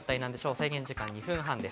制限時間は２分半です。